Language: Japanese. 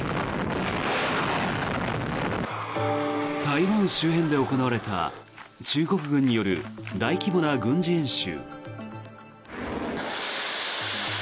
台湾周辺で行われた中国軍による大規模な軍事演習。